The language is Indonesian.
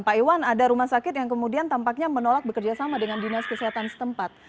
pak iwan ada rumah sakit yang kemudian tampaknya menolak bekerja sama dengan dinas kesehatan setempat